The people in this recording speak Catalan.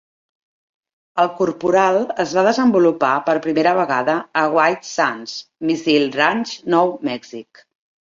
El Corporal es va desenvolupar per primera vegada a White Sands Missile Range, Nou Mèxic.